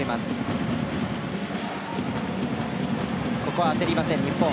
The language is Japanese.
ここは焦りません、日本。